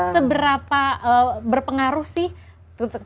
seberapa berpengaruh sih terkena matahari